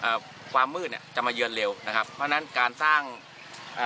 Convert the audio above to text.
ความมืดเนี้ยจะมาเยือนเร็วนะครับเพราะฉะนั้นการสร้างเอ่อ